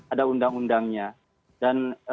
ada undang undangnya dan